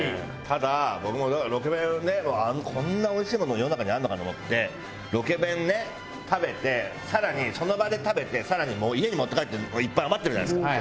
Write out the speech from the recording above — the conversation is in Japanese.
ただ僕もロケ弁ねこんなおいしいものが世の中にあるのかと思ってロケ弁ね食べて更にその場で食べて更に家に持って帰っていっぱい余ってるじゃないですか。